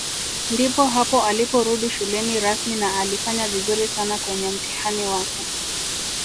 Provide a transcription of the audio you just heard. Ndipo hapo aliporudi shuleni rasmi na alifanya vizuri sana kwenye mtihani wake